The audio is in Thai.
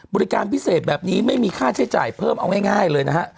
บริการพิเศษแบบนี้ไม่มีค่าใช้จ่ายเพิ่มเอาง่ายเลยนะฮะ